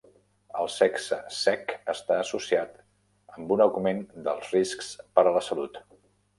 El sexe sec està associat amb un augment dels riscs per a la salut.